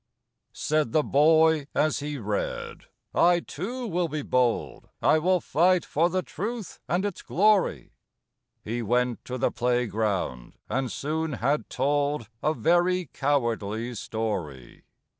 Said the boy as he read, "I too will be bold, I will fight for the truth and its glory!" He went to the playground, and soon had told A very cowardly story!